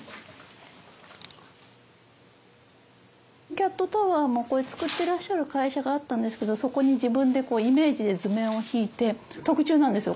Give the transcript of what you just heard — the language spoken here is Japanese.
キャットタワーもこれ作ってらっしゃる会社があったんですけどそこに自分でイメージで図面を引いて特注なんですよ